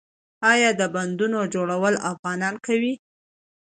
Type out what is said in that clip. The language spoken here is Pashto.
آیا د بندونو جوړول افغانان کوي؟